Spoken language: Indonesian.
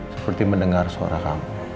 seperti mendengar suara kamu